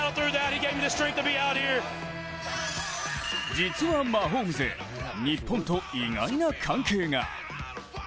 実はマホームズ日本と意外な関係が。